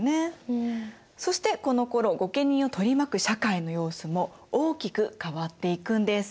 そしてこのころ御家人を取り巻く社会の様子も大きく変わっていくんです。